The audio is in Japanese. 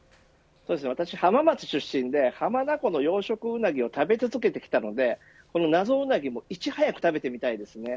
私浜松出身で浜名湖の養殖ウナギを食べ続けてきたので謎うなぎもいち早く食べてみたいです。